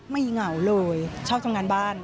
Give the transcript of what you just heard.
เหงาเลยชอบทำงานบ้าน